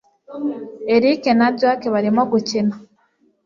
erick na jack barimo gukina